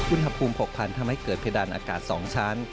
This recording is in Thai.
อุณหภูมิ๖๐๐๐ทำให้เกิดเพดานอากาศ๒ชั้น